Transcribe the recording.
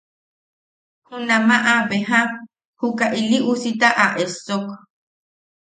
Junamaʼa beja juka ili usita a essok.